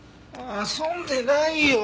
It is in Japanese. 遊んでないよ！